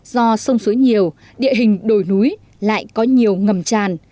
do sông suối nhiều địa hình đồi núi lại có nhiều ngầm tràn